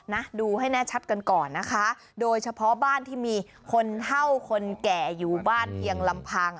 นะดูให้แน่ชัดกันก่อนนะคะโดยเฉพาะบ้านที่มีคนเท่าคนแก่อยู่บ้านเพียงลำพัง